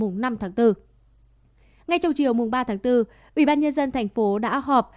ngay trong chiều ba bốn ubnd thành phố đã họp